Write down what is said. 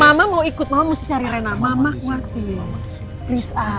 mama mau ikut mama mesti cari rena mama kuati